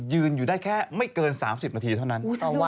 ยืนอยู่ได้แค่ไม่เกิน๓๐นาทีเท่านั้น